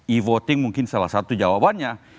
e voting mungkin salah satu jawabannya